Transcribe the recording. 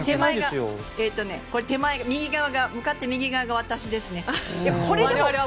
手前、向かって右側が私ですね。